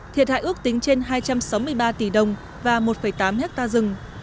thiệt hại ước tính trên hai trăm sáu mươi ba tỷ đồng và một tám hectare rừng